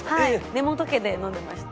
根本家で飲んでました。